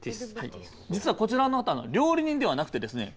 実はこちらの方料理人ではなくてですね